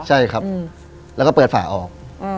ใช่ครับแล้วก็เปิดฝ่าออก